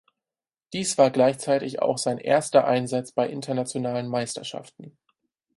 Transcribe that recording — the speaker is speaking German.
Dies war gleichzeitig auch sein erster Einsatz bei internationalen Meisterschaften.